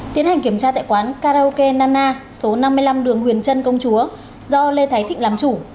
tiến hành kiểm tra tại quán karaoke nana số năm mươi năm đường huyền trân công chúa do lê thái thịnh làm chủ